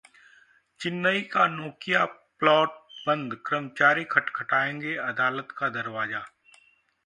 चेन्नई का Nokia plant बंद, कर्मचारी खटखटाएंगे अदालत का दरवाजा